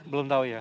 belum tahu ya